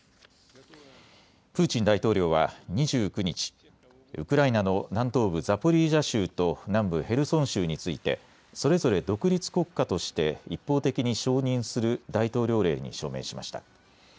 プーチン大統領は２９日、ウクライナの南東部ザポリージャ州と南部ヘルソン州についてそれぞれ独立国家として一方的に承認する大統領令に署名しました。